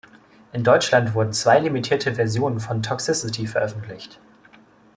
In Deutschland wurden zwei limitierte Versionen von "Toxicity" veröffentlicht.